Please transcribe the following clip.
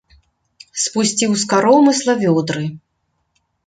Спусціў з каромысла вёдры.